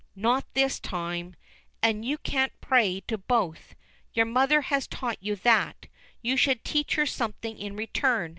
"Not this time. And you can't pray to both; your mother has taught you that; you should teach her something in return.